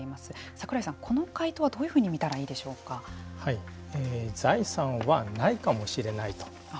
櫻井さん、この回答はどういうふうに見たら財産はないかもしれないと。